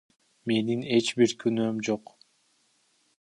Менин эч бир күнөөм жок.